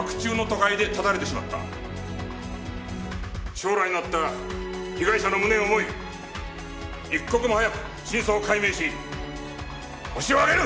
将来のあった被害者の無念を思い一刻も早く真相を解明しホシを挙げる！